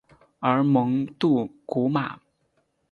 而蒙杜古马。